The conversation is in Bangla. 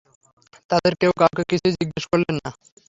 তাদের কেউ কাউকে কিছুই জিজ্ঞেস করলেন না।